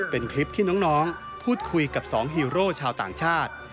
เป็นคลิปที่น้องพูดคุยกับ๒ฮีโร่ชาวต่างชาติ